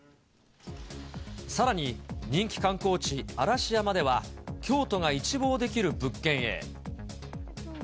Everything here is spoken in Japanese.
さらに、人気観光地、嵐山では、京都が一望できる物件へ。